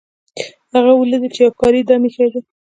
هغه ولیدل چې یو ښکاري دام ایښی دی.